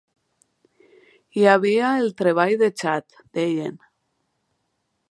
Hi havia el "treball" de Chad, deien.